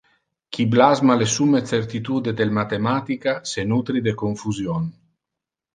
Qui blasma le summe certitude del mathematica, se nutri de confusion.